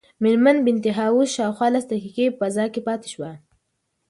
مېرمن بینتهاوس شاوخوا لس دقیقې فضا کې پاتې شوه.